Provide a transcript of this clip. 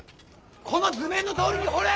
この図面のとおりに掘れ！